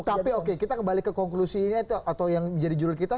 tapi oke kita kembali ke konklusinya atau yang menjadi judul kita